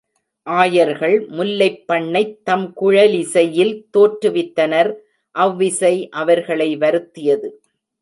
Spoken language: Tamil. ஆயர்கள் முல்லைப் பண்ணைத் தம் குழலிசையில் தோற்றுவித்தனர் அவ் இசை அவர்களை வருத்தியது.